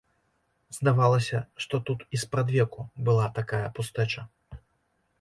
Здавалася, што тут і спрадвеку была такая пустэча.